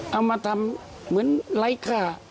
เอามาทำเหมือนไร้ค่า